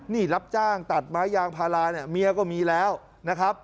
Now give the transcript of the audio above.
นี่รับจ้างตัดไม้ยางพาราเนี่ยเมียก็มีแล้วนะครับ